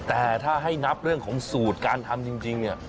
แต่ถ้าให้นับเรื่องของสูตรการทำจริงเนี่ย